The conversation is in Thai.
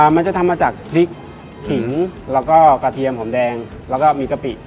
มันจะทำมาจากพริกขิงแล้วก็กระเทียมหอมแดงแล้วก็มีกะปิ